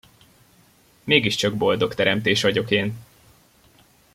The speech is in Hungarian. Mégiscsak boldog teremtés vagyok én!